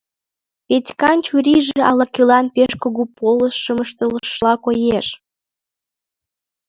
Петькан чурийже ала-кӧлан пеш кугу полышым ыштышыла коеш.